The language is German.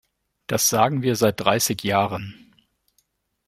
Das sagen wir seit dreißig Jahren.